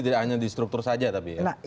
tidak hanya di struktur saja tapi ya